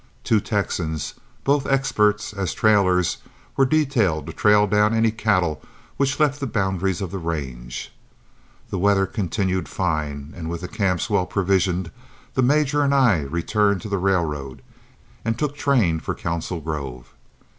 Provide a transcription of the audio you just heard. Two Texans, both experts as trailers, were detailed to trail down any cattle which left the boundaries of the range. The weather continued fine, and with the camps well provisioned, the major and I returned to the railroad and took train for Council Grove.